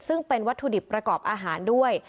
ซึ่งเป็นวัตถุดิบประกอบอาหารด้วย